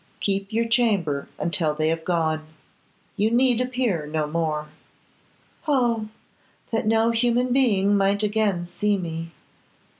Keep your chamber until they have gone. You need appear no more.' 'Oh! that no human being might again see me!